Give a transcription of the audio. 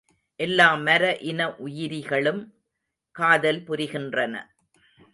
எல்லா மர இன உயிரிகளும் காதல் புரிகின்றன.